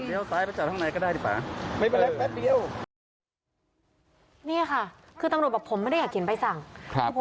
คือตำรวจก็พยายามที่จะบอกว่าอ้าวคุณก็เลี้ยวเข้าไปจอดข้างในไหม